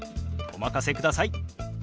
お任せください。